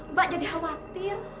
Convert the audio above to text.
mbak jadi khawatir